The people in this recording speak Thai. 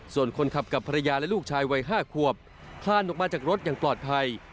ส่วนคนขับกับภรรยาและลูกชายวัย๕ขวบคลานออกมาจากรถอย่างปลอดภัย